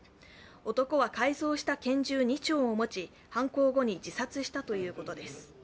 男は改造した拳銃２丁を持ち犯行後に自殺したということです。